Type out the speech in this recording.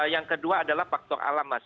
yang kedua adalah faktor alam mas